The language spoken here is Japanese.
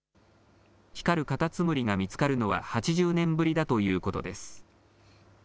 光るカタツムリが見つかるのは８０年ぶりだということです。